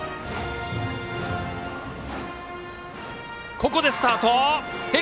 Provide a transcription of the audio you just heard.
ここでスタート！